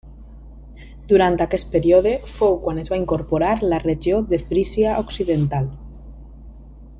Durant aquest període fou quan es va incorporar la regió de Frísia Occidental.